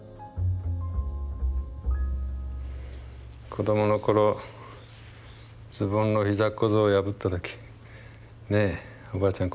子どもの頃ズボンの膝小僧を破った時ねぇおばあちゃん